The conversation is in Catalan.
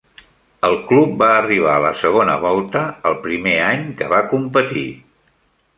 El club va arribar a la segona volta el primer any que va competir.